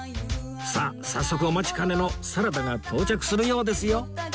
さあ早速お待ちかねのサラダが到着するようですよ